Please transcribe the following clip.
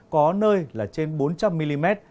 có nơi là trên bốn trăm linh mm